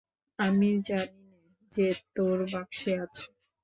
আমি জানিনে যে তোর বাক্সে আছে।